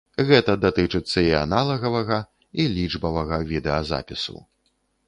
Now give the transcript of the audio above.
Гэта датычыцца і аналагавага і лічбавага відэазапісу.